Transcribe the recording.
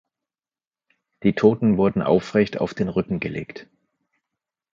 Die Toten wurden aufrecht auf den Rücken gelegt.